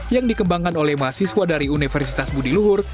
yang dikembangkan oleh mahasiswa dari universitas budi luhur